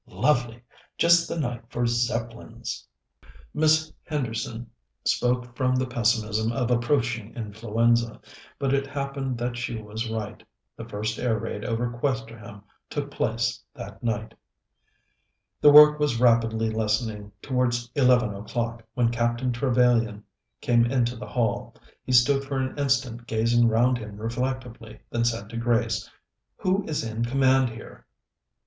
"Lovely. Just the night for Zeppelins." Miss Henderson spoke from the pessimism of approaching influenza, but it happened that she was right. The first air raid over Questerham took place that night. The work was rapidly lessening towards eleven o'clock, when Captain Trevellyan came into the hall. He stood for an instant gazing round him reflectively, then said to Grace: "Who is in command here?"